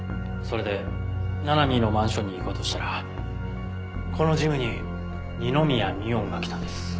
それでななみーのマンションに行こうとしたらこのジムに二宮美音が来たんです。